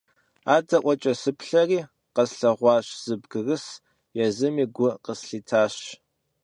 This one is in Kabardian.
АдэӀуэкӀэ сыплъэри къэслъэгъуащ зы бгырыс, езыми гу къыслъитащ.